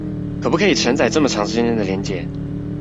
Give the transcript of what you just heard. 可不可以承載這麼長時間的連結